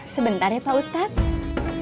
sebentar ya pak ustadz